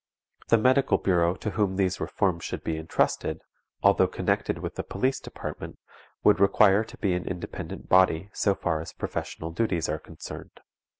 The Medical Bureau to whom these reforms should be intrusted, although connected with the Police Department, would require to be an independent body so far as professional duties are concerned.